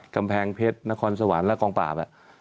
กำแพงเพชรนครสวรรค์และกองปราบ